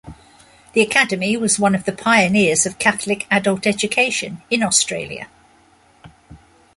The Academy was one of the pioneers of Catholic adult education in Australia.